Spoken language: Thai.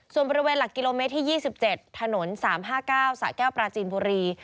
ส่วนบริเวณหลักกิโลเมตรที่๒๗ถนน๓๕๙สะแก้วปราจีนบุรี